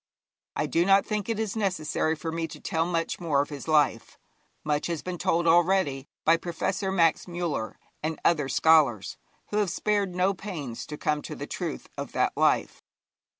I do not think it is necessary for me to tell much more of his life. Much has been told already by Professor Max Müller and other scholars, who have spared no pains to come to the truth of that life.